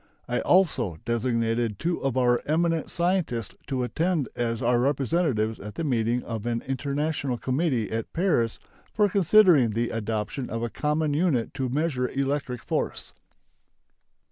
I also designated two of our eminent scientists to attend as our representatives at the meeting of an international committee at Paris for considering the adoption of a common unit to measure electric force.